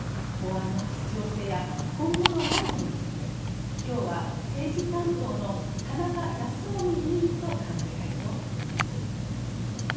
法案の必要性や今後の論点についてきょうは政治担当の田中泰臣委員と考えたいと思います。